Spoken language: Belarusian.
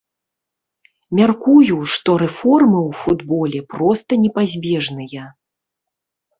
Мяркую, што рэформы ў футболе проста непазбежныя.